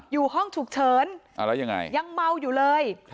อยู่ห้องฉุกเฉินแล้วยังไงยังเมาอยู่เลย